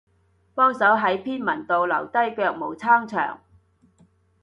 幫手喺篇文度留低腳毛撐場